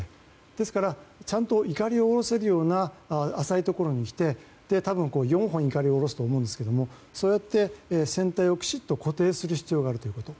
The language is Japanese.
ですから、ちゃんといかりを下ろせるような浅いところにきて多分、４本いかりを下ろすと思うんですがそうやって船体をきちっと固定する必要があるということ。